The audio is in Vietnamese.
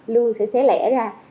lương sẽ xé lẻ ra